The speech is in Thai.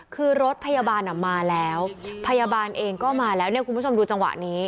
คือรถพยาบาลมาแล้วพยาบาลเองก็มาแล้วเนี่ยคุณผู้ชมดูจังหวะนี้